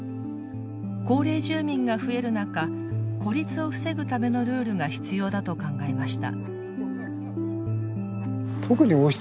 高齢住民が増える中孤立を防ぐためのルールが必要だと考えました。